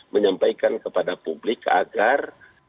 menyampaikan kepada publik agar